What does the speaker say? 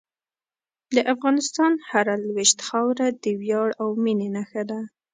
د افغانستان هره لویشت خاوره د ویاړ او مینې نښه ده.